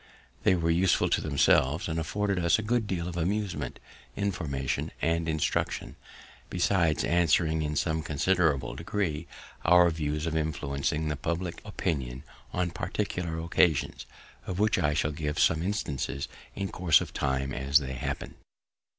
They were useful to themselves, and afforded us a good deal of amusement, information, and instruction, besides answering, in some considerable degree, our views of influencing the public opinion on particular occasions, of which I shall give some instances in course of time as they happened.